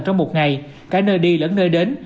trong một ngày cả nơi đi lẫn nơi đến